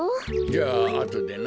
じゃああとでな。